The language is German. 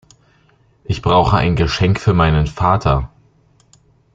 Ich brauche ein Geschenk für meinen Vater.